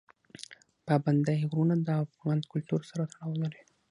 پابندی غرونه د افغان کلتور سره تړاو لري.